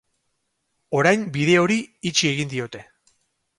Orain bide hori itxi egin diote.